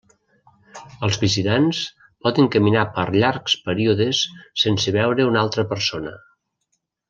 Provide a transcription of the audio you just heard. Els visitants poden caminar per llargs períodes sense veure una altra persona.